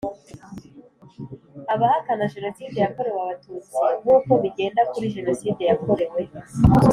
abahakana Jenoside yakorewe Abatutsi nkuko bigenda kuri Jenoside yakorewe